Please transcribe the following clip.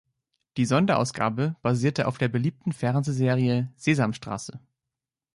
Die Sonderausgabe basierte auf der beliebten Fernsehserie „Sesamstraße“.